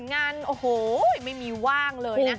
งานโอ้โหไม่มีว่างเลยนะ